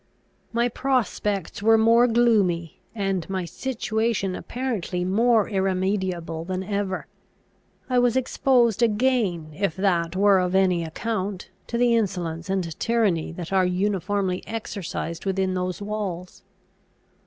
My prospects were more gloomy, and my situation apparently more irremediable, than ever. I was exposed again, if that were of any account, to the insolence and tyranny that are uniformly exercised within those walls.